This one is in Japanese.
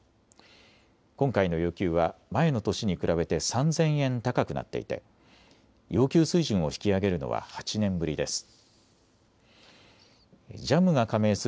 今回の要求は前の年に比べて３０００円高くなっていて要求水準を引き上げるのは８年ぶりです。